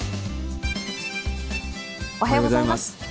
おはようございます。